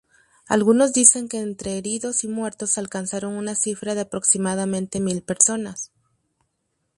Algunos dicen que entre heridos y muertos alcanzaron una cifra de aproximadamente mil personas.